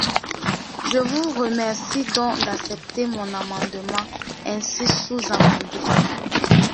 Je vous remercie donc d’accepter mon amendement ainsi sous-amendé.